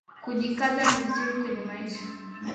Kujikaza ni vizuri kwenye maisha